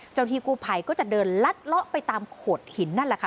ที่กู้ภัยก็จะเดินลัดเลาะไปตามโขดหินนั่นแหละค่ะ